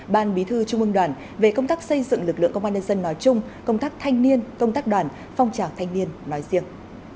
ban bí thư trung ương đoàn về công tác xây dựng lực lượng công an nhân dân nói chung công tác thanh niên công tác đoàn phong trào thanh niên nói riêng